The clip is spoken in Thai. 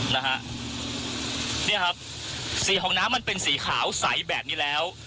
นะครับเนี่ยครับสีของน้ำมันเป็นสีขาวใสแบบนี้แล้ว